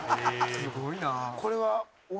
すごいな。